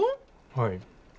はい。